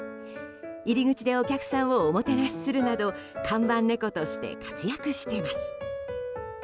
入り口でお客さんをおもてなしするなど看板猫として活躍しています。